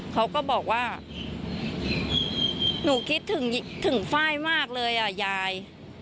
เขาก็บอกว่าหนูคิดถึงไฟล์มากเลยอ่ะยาย